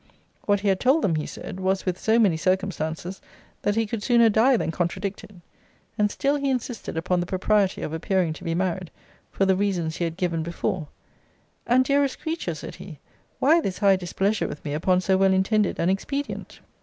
What he had told them, he said, was with so many circumstances, that he could sooner die than contradict it. And still he insisted upon the propriety of appearing to be married, for the reasons he had given before And, dearest creature, said he, why this high displeasure with me upon so well intended an expedient?